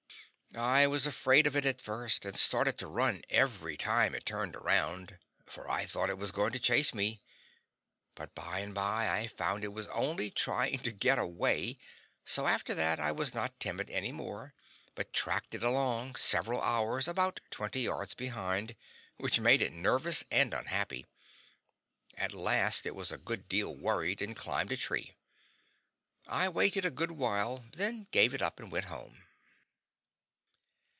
I was afraid of it at first, and started to run every time it turned around, for I thought it was going to chase me; but by and by I found it was only trying to get away, so after that I was not timid any more, but tracked it along, several hours, about twenty yards behind, which made it nervous and unhappy. At last it was a good deal worried, and climbed a tree. I waited a good while, then gave it up and went home.